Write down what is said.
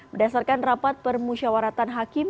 berdasarkan rapat permusyawaratan hakim